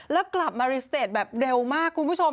แล้วกลับมารีสเตจแบบเร็วมากคุณผู้ชม